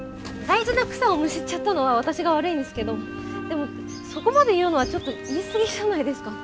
大事な草をむしっちゃったのは私が悪いんですけどでもそこまで言うのはちょっと言い過ぎじゃないですか。